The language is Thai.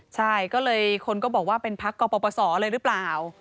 ใช่ก็เลยคนก็บอกว่าเป็นพักกรปศเลยหรือเปล่า